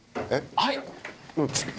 はい！